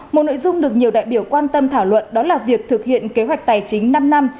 một nội dung được nhiều đại biểu quan tâm thảo luận đó là việc thực hiện kế hoạch tài chính năm năm